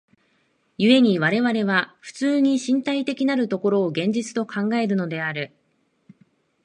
故に我々は普通に身体的なる所を現実と考えているのである。